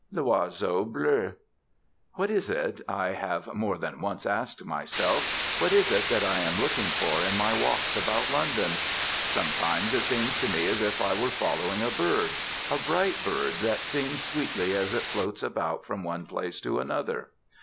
L'OISEAU BLEU What is it, I have more than once asked myself, what is it that I am looking for in my walks about London? Sometimes it seems to me as if I were following a Bird, a bright Bird that sings sweetly as it floats about from one place to another.